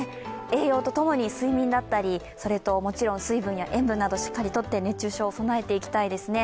栄養とともに睡眠だったり、もちろん水分と塩分をしっかりとって熱中症備えていきたいですね。